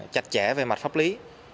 chặt chẽ về mặt pháp lý